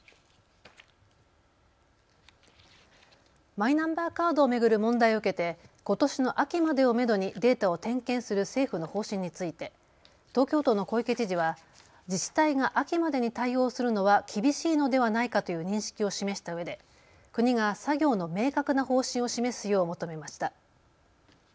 マイナンバーカードを巡る問題を受けてことしの秋までをめどにデータを点検する政府の方針について東京都の小池知事は自治体が秋までに対応するのは厳しいのではないかという認識を示したうえで国が作業の明確な方針を示すよう求めました。